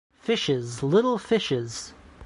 Fishes, little fishes!